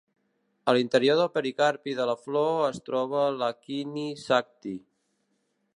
A l'interior del pericarpi de la flor es troba l'Hakini Sakti.